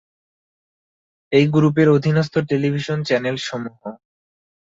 এই গ্রুপের অধীনস্থ টেলিভিশন চ্যানেল সমূহ